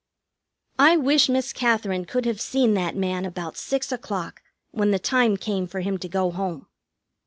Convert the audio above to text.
I wish Miss Katherine could have seen that man about six o'clock, when the time came for him to go home.